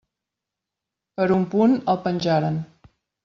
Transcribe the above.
Per un punt el penjaren.